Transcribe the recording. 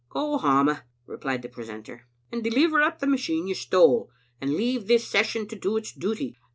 "Go hame," replied the precentor, "and deliver up the machine you stole, and leave this Session to do its duty.